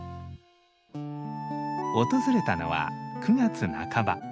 訪れたのは９月半ば。